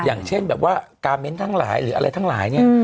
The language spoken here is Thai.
อย่างเช่นแบบว่ากาเมนต์ทั้งหลายหรืออะไรทั้งหลายเนี่ย